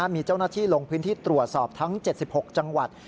มีเจ้าหน้าที่ลงพื้นที่ตรวจสอบทั้ง๗๖จังหวัด